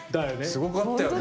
すごかったよね。